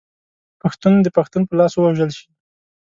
پښتون د پښتون په لاس ووژل شي.